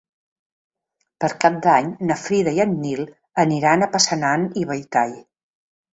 Per Cap d'Any na Frida i en Nil aniran a Passanant i Belltall.